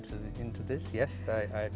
tapi bagaimana mereka mudah dikawal